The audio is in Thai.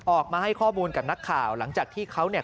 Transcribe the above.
ออกมาให้ข้อมูลกับนักข่าวหลังจากที่เขาเนี่ย